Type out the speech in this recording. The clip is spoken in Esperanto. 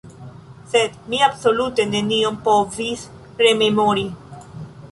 Sed mi absolute nenion povis rememori.